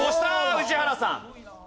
宇治原さん。